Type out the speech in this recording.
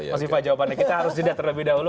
mas ifah jawabannya kita harus didatang lebih dahulu